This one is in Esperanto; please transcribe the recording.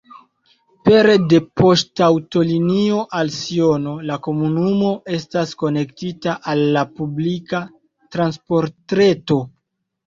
Pere de poŝtaŭtolinioj al Siono la komunumo estas konektita al la publika transportreto.